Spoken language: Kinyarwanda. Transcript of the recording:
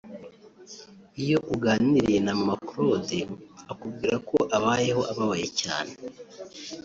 Iyo uganiriye na Mama Claude akubwira ko abayeho ababaye cyane